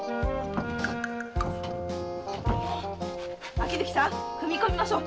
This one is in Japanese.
秋月さん踏み込みましょう！